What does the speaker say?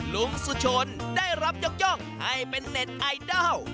ลุงสุชนได้รับยกย่องให้เป็นเน็ตไอดอล